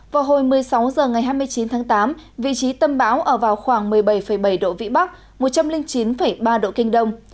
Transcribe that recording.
vào hồi một mươi sáu h ngày hai mươi chín tháng tám vị trí tâm bão ở vào khoảng một mươi bảy bảy độ vĩ bắc một trăm linh chín ba độ kinh đông